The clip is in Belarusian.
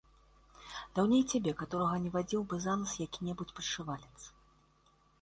Даўней цябе каторага не вадзіў бы за нос які-небудзь падшывалец.